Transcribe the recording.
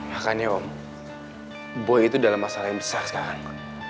makanya om boy itu dalam masalah yang besar sekarang